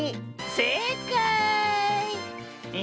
せいかい。